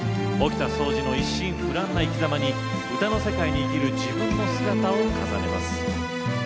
沖田総司の一心不乱な生きざまに歌の世界に生きる自分の姿を重ねます。